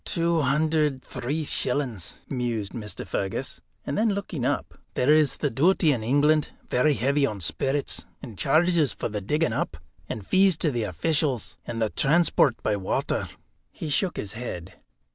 "Two hundred three shillings," mused Mr. Fergus; and then looking up, "there is the duty in England, very heavy on spirits, and charges for the digging up, and fees to the officials, and the transport by water " He shook his head.